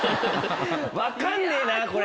分かんねえなこれ！